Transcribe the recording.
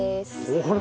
あら？